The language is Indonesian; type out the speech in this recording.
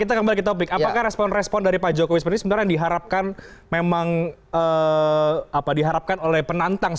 apakah respon respon dari pak jokowi sebenarnya yang diharapkan oleh penantang